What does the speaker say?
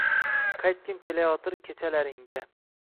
Qaytgim kelayotir kechalaringga